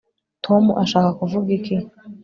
tom ashaka kuvuga iki